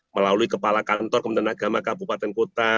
melalui kepala kantor kementerian agama kabupaten kota